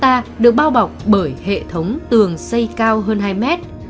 toàn bộ khu vực xưởng gỗ rộng gần ba hecta được bao bọc bởi hệ thống tường xây cao hơn hai m